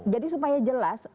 jadi supaya jelas